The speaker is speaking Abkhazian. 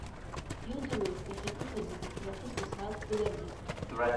Иудыруеи иахьатәиқәа зегьы ираԥызго саақәгыларгьы.